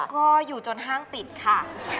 ก็อยู่จนห้างปิดค่ะ